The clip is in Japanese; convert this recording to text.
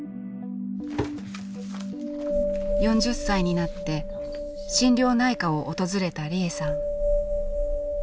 ４０歳になって心療内科を訪れた利枝さん。